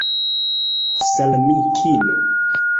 Sal' amikino